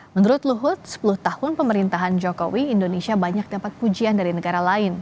menurut luhut sepuluh tahun pemerintahan jokowi indonesia banyak dapat pujian dari negara lain